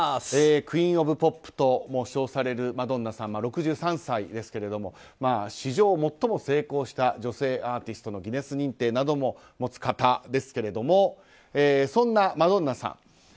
クイーン・オブ・ポップとも称されるマドンナさん６３歳ですけれども史上最も成功した女性アーティストのギネス認定なども持つ方ですがそんなマドンナさん